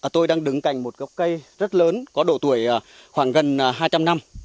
tôi đang đứng cành một gốc cây rất lớn có độ tuổi khoảng gần hai trăm linh năm